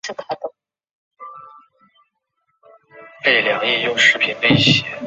她和其他社交名媛一直有联系。